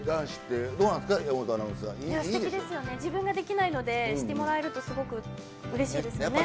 すてきですよね、自分ができないのでしてもらえると、すごくうれしいですね。